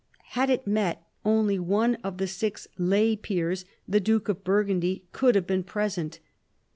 Had it met, only one of the six lay " peers "— the duke of Burgundy — could have been present.